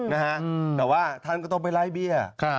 แต่ว่าท่านก็ต้องไปไล่เบียร์